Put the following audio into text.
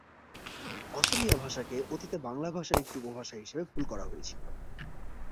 অসমীয়া ভাষাকে অতীতে বাংলা ভাষার একটি উপভাষা হিসেবে ভুল করা হয়েছিল।